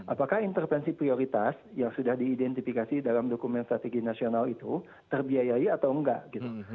apakah intervensi prioritas yang sudah diidentifikasi dalam dokumen strategi nasional itu terbiayai atau enggak gitu